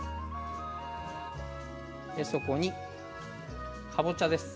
そこに、かぼちゃです。